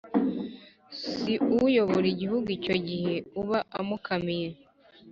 si uyobora igihugu icyo gihe uba umukamiye,